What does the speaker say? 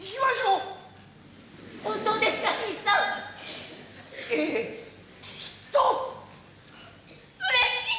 うれしい。